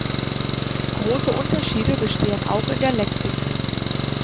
Große Unterschiede bestehen auch in der Lexik.